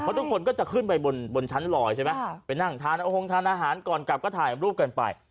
เพราะทุกคนก็จะขึ้นไปบนชั้นลอยใช่ไหมไปนั่งทานอาหารก่อนกลับก็ถ่ายรูปกันไป